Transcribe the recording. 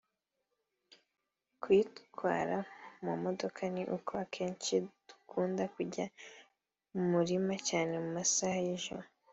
Kuyitwara mu modoka ni uko akenshi dukunda kujya mu mirima cyane mu masaha y’ijoro